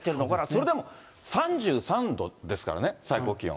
それでも３３度ですからね、最高気温。